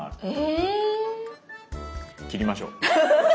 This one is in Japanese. えぇ⁉切りましょう。